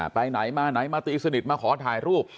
ไปไหนมาไหนมาตีสนิทมาขอถ่ายรูป